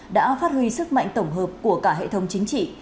đã phát huy sức mạnh tổng hợp của cả hệ thống chính trị